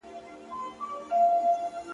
ستا په غـاړه كـــــي امــــــېـــــــل دى~